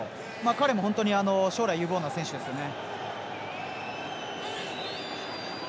彼も将来有望な選手ですね。